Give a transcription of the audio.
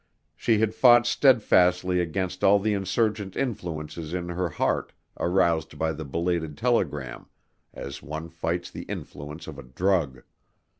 She had fought steadfastly against all the insurgent influences in her heart aroused by the belated telegram, as one fights the influence of a drug.